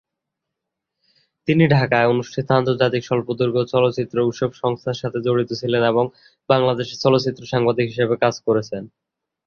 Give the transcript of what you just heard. তিনি ঢাকায় অনুষ্ঠিত আন্তর্জাতিক স্বল্পদৈর্ঘ্য চলচ্চিত্র উৎসব সংস্থার সাথে জড়িত ছিলেন এবং বাংলাদেশে চলচ্চিত্র সাংবাদিক হিসেবে কাজ করেছেন।